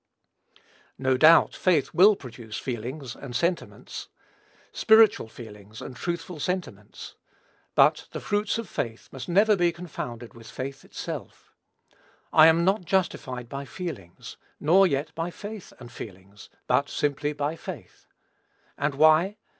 No doubt, faith will produce feelings and sentiments, spiritual feelings and truthful sentiments, but the fruits of faith must never be confounded with faith itself. I am not justified by feelings, nor yet by faith and feelings, but simply by faith. And why?